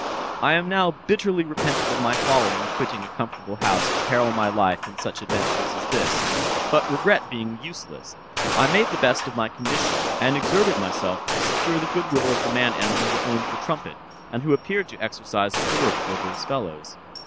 "'I now bitterly repented my folly in quitting a comfortable home to peril my life in such adventures as this; but regret being useless, I made the best of my condition, and exerted myself to secure the goodwill of the man animal that owned the trumpet, and who appeared to exercise authority over his fellows.